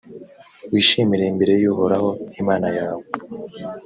wishimire imbere y’uhoraho imana yawe.